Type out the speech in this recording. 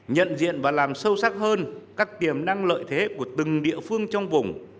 nhận diện và làm sâu sắc hơn các tiềm năng lợi thế của từng địa phương trong vùng